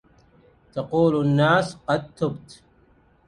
تقول الناس قد تبت